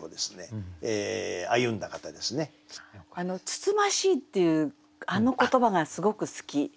「つつましい」っていうあの言葉がすごく好き。